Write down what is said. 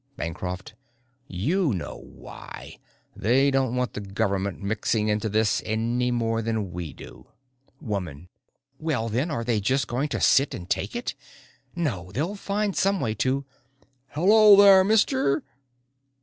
Bancroft: "You know why. They don't want the government mixing into this any more than we do." Woman: "Well, then, are they just going to sit and take it? No, they'll find some way to " "HELLO, THERE, MISTER!!!"